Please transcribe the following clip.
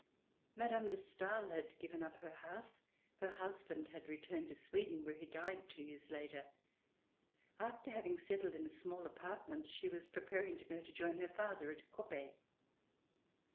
Mme. de Stael had given up her house. Her husband had returned to Sweden, where he died two years RECOLLECTIONS OF THE REVOLUTION later. After having settled in a small apartment, she was preparing to go to join her father at Coppet.